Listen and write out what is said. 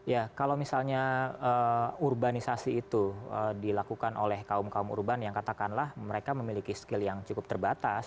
ya kalau misalnya urbanisasi itu dilakukan oleh kaum kaum urban yang katakanlah mereka memiliki skill yang cukup terbatas